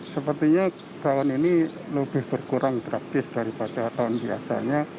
sepertinya tahun ini lebih berkurang drastis daripada tahun biasanya